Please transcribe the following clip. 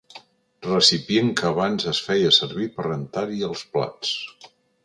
Recipient que abans es feia servir per rentar-hi els plats.